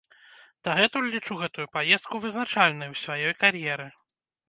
Дагэтуль лічу гэтую паездку вызначальнай у сваёй кар'еры.